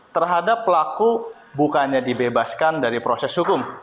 terhadap pelaku bukannya dibebaskan dari proses hukum